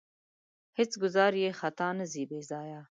هېڅ ګوزار یې خطا نه ځي بې ځایه.